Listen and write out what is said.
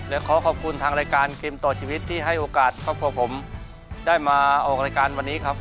และขอขอบคุณทางรายการเกมต่อชีวิตที่ให้โอกาสครอบครัวผมได้มาออกรายการวันนี้ครับ